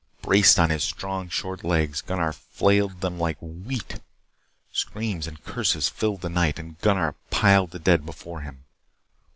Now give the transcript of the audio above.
Braced on his strong, short legs Gunnar flailed them like wheat. Screams and curses filled the night. And Gunnar piled the dead before him.